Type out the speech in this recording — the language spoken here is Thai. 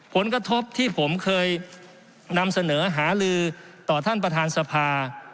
ผลกระทบที่ผมเคยนำเสนอหาลือต่อท่านประธานสภา